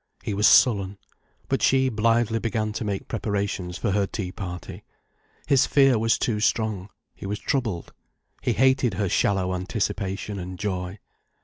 He was sullen. But she blithely began to make preparations for her tea party. His fear was too strong, he was troubled, he hated her shallow anticipation and joy.